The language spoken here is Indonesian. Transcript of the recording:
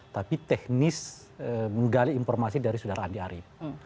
tapi teknis menggali informasi dari saudara andi arief